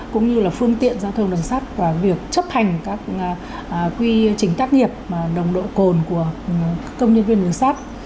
cũng như là phương tiện giao thông đường sắt và việc chấp hành các quy trình tác nghiệp nồng độ cồn của công nhân viên đường sắt